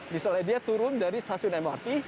misalnya dia turun dari stasiun mrt